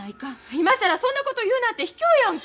今更そんなこと言うなんてひきょうやんか！